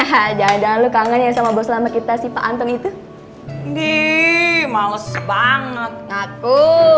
hahaha jangan jangan lu kangen sama bos lama kita sih pak anton itu di males banget aku